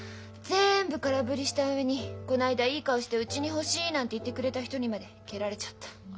全部空振りした上にこないだいい顔して「うちに欲しい」なんて言ってくれた人にまで蹴られちゃった。